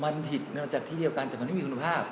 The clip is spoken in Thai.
มันผิดมาจากที่เดียวกันแต่มันไม่มีคุณภาพ